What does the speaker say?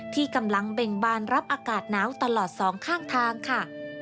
ที่กำลังเบ่งบานรับอากาศหนาวตลอดสองข้างทางค่ะ